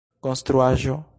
konstruaĵo